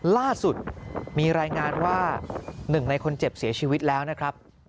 ล่าสุดมีรายงานว่าหนึ่งในคนเจ็บเสียชีวิตแล้วนะครับ